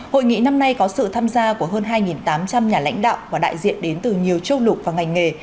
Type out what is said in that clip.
hội nghị năm nay có sự tham gia của hơn hai tám trăm linh nhà lãnh đạo và đại diện đến từ nhiều châu lục và ngành nghề